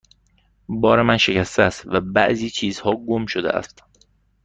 بار من شکسته است و بعضی چیزها گم شده است.